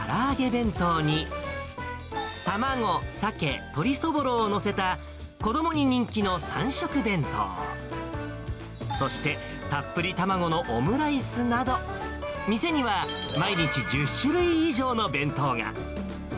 弁当に、卵、サケ、鶏そぼろを載せた、子どもに人気の三色弁当、そして、たっぷり卵のオムライスなど、店には毎日１０種類以上の弁当が。